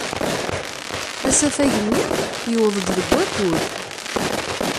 Asafag-nni yewweḍ-d deg wakud.